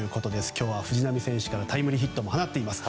今日は藤浪選手からタイムリーヒットも放っています。